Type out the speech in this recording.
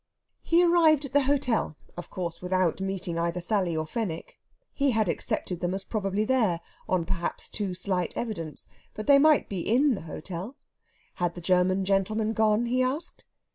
He arrived at the hotel, of course without meeting either Sally or Fenwick. He had accepted them as probably there, on perhaps too slight evidence. But they might be in the hotel. Had the German gentleman gone? he asked.